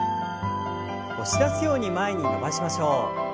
押し出すように前に伸ばしましょう。